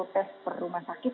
enam puluh tes per rumah sakit